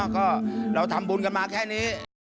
ก็เราทำบุญกันมาแค่นี้